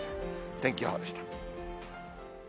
天気予報でした。